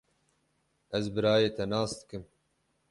Ez birayê te nas dikim.